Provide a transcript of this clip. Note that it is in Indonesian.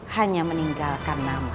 hanya meninggalkan nama